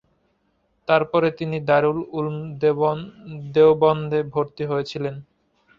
তারপরে তিনি দারুল উলূম দেওবন্দে ভর্তি হয়েছিলেন।